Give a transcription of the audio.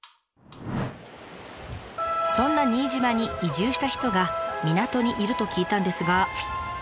そんな新島に移住した人が港にいると聞いたんですがこの人？